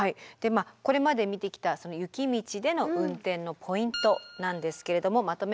まあこれまで見てきた雪道での運転のポイントなんですけれどもまとめました。